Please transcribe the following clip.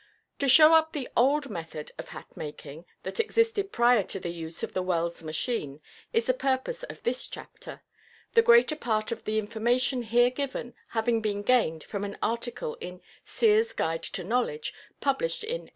To show up the old method of hat making that existed prior to the use of the Wells machine is the purpose of this chapter, the greater part of the information here given having been gained from an article in "Sears' Guide to Knowledge," published in 1844.